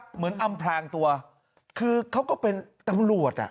เหมือนอำพลางตัวคือเขาก็เป็นตำรวจ